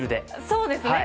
そうですね。